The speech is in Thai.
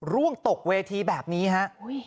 ร่วงตกเวทีแบบนี้ฮะ